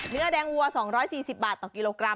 เนื้อแดงวัว๒๔๐บาทต่อกิโลกรัม